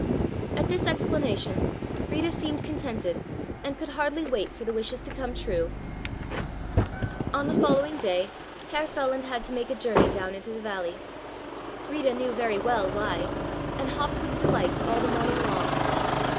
At this explanation Rita seemed contented and could hardly wait for the wishes to come true. On the following day Herr Feland had to make a journey down into the valley. Rita knew very well why, and hopped with delight all the morning long.